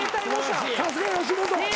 さすが吉本！